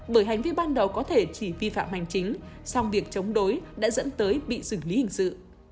bởi hành vi ban đầu có thể chỉ vi phạm hành chính song việc chống đối đã dẫn tới bị xử lý hình sự